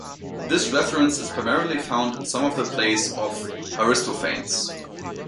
This reference is primarily found in some of the plays of Aristophanes.